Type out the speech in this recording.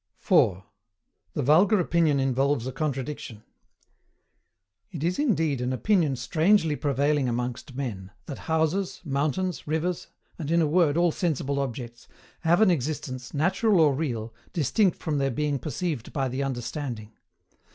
] 4. THE VULGAR OPINION INVOLVES A CONTRADICTION. It is indeed an opinion STRANGELY prevailing amongst men, that houses, mountains, rivers, and in a word all sensible objects, have an existence, natural or real, distinct from their being perceived by the understanding.